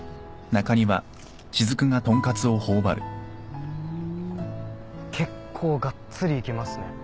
ふーん結構がっつりいきますね。